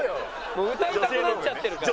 もう歌いたくなっちゃってるから。